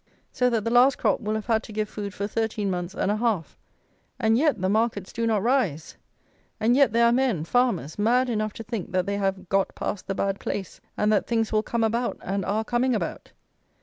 So that the last crop will have had to give food for thirteen months and a half. And yet the markets do not rise! And yet there are men, farmers, mad enough to think that they have "got past the bad place," and that things will come about, and are coming about!